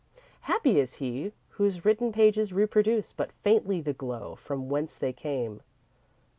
Happy is he whose written pages reproduce but faintly the glow from whence they came.